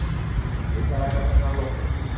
এই শালায় কথা শোনার লোক না।